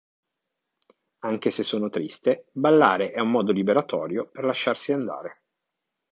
Anche se sono triste, ballare è un modo liberatorio per lasciarsi andare".